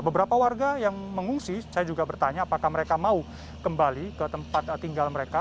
beberapa warga yang mengungsi saya juga bertanya apakah mereka mau kembali ke tempat tinggal mereka